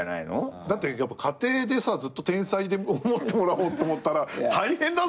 だってやっぱ家庭でさずっと天才って思ってもらおうと思ったら大変だぜ。